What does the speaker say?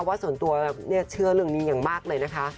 ว่าส่วนตัวเชื่อเรื่องนี้อย่างมากเลยนะคะ